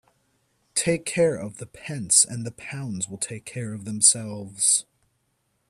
Take care of the pence and the pounds will take care of themselves.